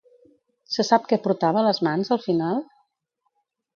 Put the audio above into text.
Se sap què portava a les mans, al final?